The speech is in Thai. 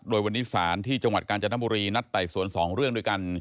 โดยวันนี้ศาลที่จังหวัดกาญจนบุรีนัดไต่สวน๒เรื่องด้วยกัน